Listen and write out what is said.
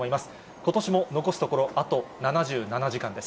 ことしも残すところあと７７時間です。